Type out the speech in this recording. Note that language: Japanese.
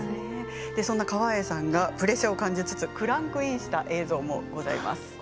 そんな川栄さんがプレッシャーを感じつつクランクインした映像もございます。